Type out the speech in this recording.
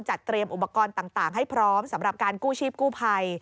เตรียมอุปกรณ์ต่างให้พร้อมสำหรับการกู้ชีพกู้ภัย